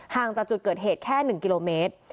ห่างจากจุดเกิดเหตุแค่หนึ่งกิโลเมตร